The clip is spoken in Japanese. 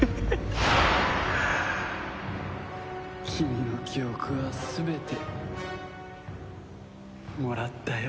君の記憶は全てもらったよ。